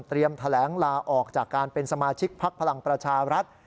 แถลงลาออกจากการเป็นสมาชิกพักพลังประชารัฐ